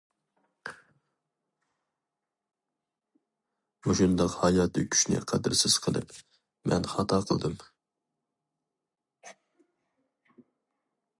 مۇشۇنداق ھاياتى كۈچنى قەدىرسىز قىلىپ، مەن خاتا قىلدىم.